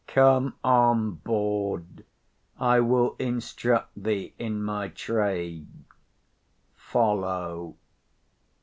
_ Come on, bawd; I will instruct thee in my trade; follow.